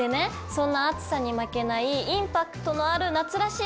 そんな暑さに負けないインパクトのある夏らしい